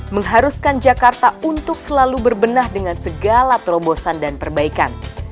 mengharuskan jakarta untuk selalu berbenah dengan segala terobosan dan perbaikan